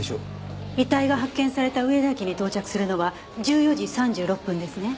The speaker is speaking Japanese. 遺体が発見された上田駅に到着するのは１４時３６分ですね。